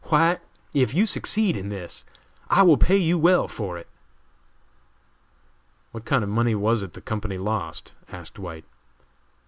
"White, if you succeed in this I will pay you well for it." "What kind of money was it the company lost?" asked White.